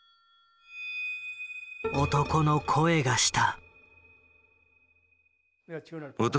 男の声がした。